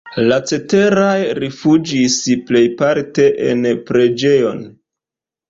La ceteraj rifuĝis plejparte en la preĝejon.